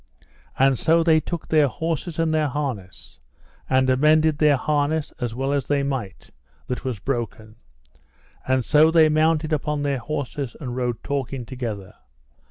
So then they took their horses and their harness, and amended their harness as well as they might that was broken; and so they mounted upon their horses, and rode talking together.